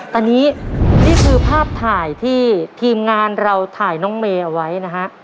ตอนนี้นี่คือภาพถ่ายที่ทีมงานเราถ่ายน้องเมย์เอาไว้นะฮะ